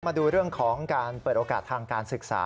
มาดูเรื่องของการเปิดโอกาสทางการศึกษา